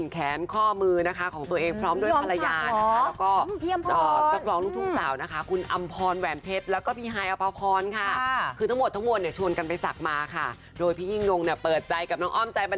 แขนข้อมือของตัวเองพร้อมด้วยภรรยา